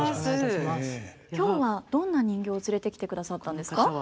今日はどんな人形を連れてきてくださったんですか。